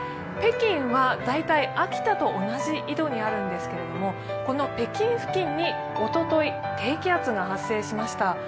北京は大体秋田と同じ緯度にあるんですけども、この北京付近におととい、低気圧が発生しました。